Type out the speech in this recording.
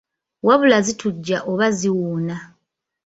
Wabula zitujja oba ziwuuna.